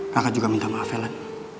kakak juga minta maaf ya lan